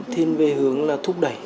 thiên về hướng thúc đẩy